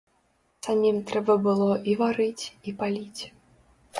Самім трэба было і варыць і паліць.